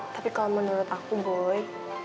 tapi kalau menurut aku boy